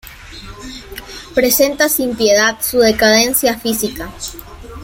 Presenta sin piedad su decadencia física.